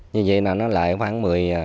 như vậy là nó lại khoảng một mươi